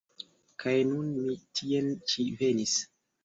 Kaj nun mi tien ĉi venis.